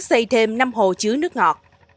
xây thêm năm hộ chứa nước ngọt